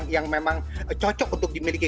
yang memang cocok untuk dimiliki